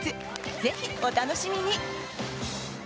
ぜひ、お楽しみに！